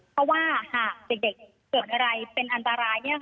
เพราะว่าหากเด็กเกิดอะไรเป็นอันตราย